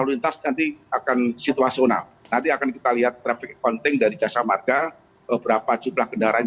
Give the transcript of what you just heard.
orang negeri antara pengetahuan jalan tetap ketahuan bisa mengejar ada char spikes di memberikan spread binaente